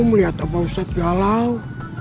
melihat pak ustad galau